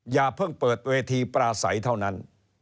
อย่าเพิ่งเปิดเวทีปราศัยเท่านั้น